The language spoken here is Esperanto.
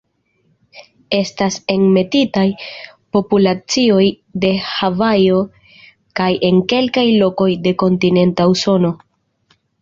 Estas enmetitaj populacioj de Havajo kaj en kelkaj lokoj de kontinenta Usono.